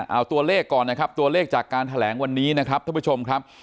เอาตัวเลขก่อนนะครับตัวเลขจากการแถลงวันนี้นะครับท่านผู้ชมครับ